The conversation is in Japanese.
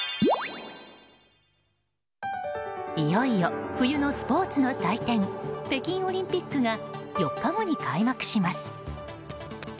いよいよ冬のスポーツの祭典北京オリンピックが４日後に開幕します。